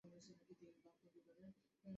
একটা ভিডিও পাঠাব।